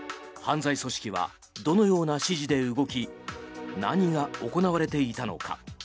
犯罪組織はどのような指示で動き何が行われていたのか。